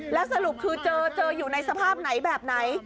แล้วสรุปคือเจออยู่ในสภาพไหนแบบไหน